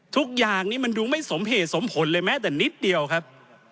ทุกอย่างนี้มันดูไม่สมเหตุสมผลเลยแม้แต่นิดเดียวครับ